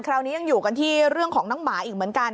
คราวนี้ยังอยู่กันที่เรื่องของน้องหมาอีกเหมือนกัน